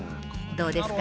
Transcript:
どうですか？